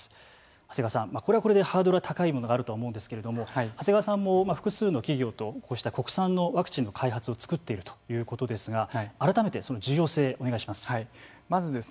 長谷川さん、これはこれでハードルが高いものはあると思うんですけれども長谷川さんも複数の企業とこうした国産のワクチンの開発を作っているということですが改めてその重要性をお願いします。